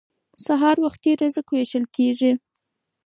سهار وختي رزق ویشل کیږي.